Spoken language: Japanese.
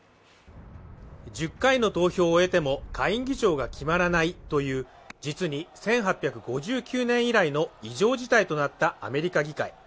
１０回の投票を終えても下院議長が決まらないという実に１８５９年以来の異常事態となったアメリカ議会。